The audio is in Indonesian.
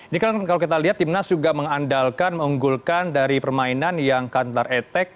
jadi kalau kita lihat timnas juga mengandalkan mengunggulkan dari permainan yang counter attack